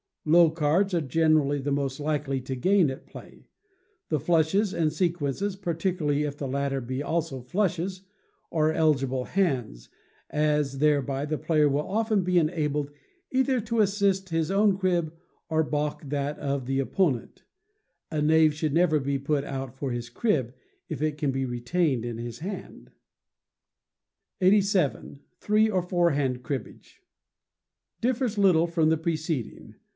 Low cards are generally the most likely to gain at play; the flushes and sequences, particularly if the latter be aiso flushes, are eligible hands, as thereby the player will often be enabled either to assist his own crib, or baulk that of the opponent; a knave should never be put out for his crib, if it can be retained in hand. 87. Three or Four Hand Cribbage differs little from the preceding.